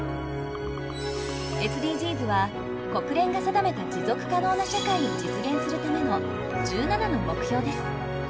ＳＤＧｓは国連が定めた持続可能な社会を実現するための１７の目標です。